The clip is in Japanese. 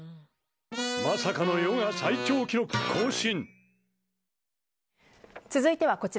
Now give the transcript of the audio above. まさかのヨガ最長記録更新。